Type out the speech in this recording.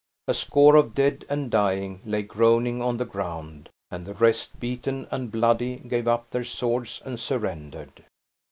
A score of dead and dying lay groaning on the ground; and the rest, beaten and bloody, gave up their swords and surrendered.